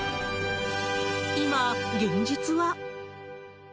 今、現実は。